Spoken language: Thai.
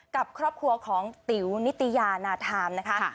กับครอบครัวของติ๋วนิตยานาธามนะคะ